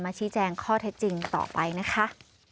ชี้แจงข้อเท็จจริงต่อไปนะคะ